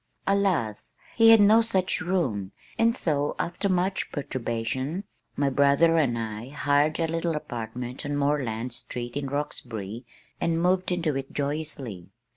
Alas! he had no such room, and so after much perturbation, my brother and I hired a little apartment on Moreland street in Roxbury and moved into it joyously.